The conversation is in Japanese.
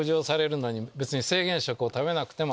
制限食を食べなくても。